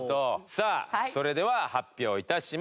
さあそれでは発表致します。